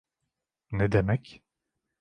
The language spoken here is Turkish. Ne demek.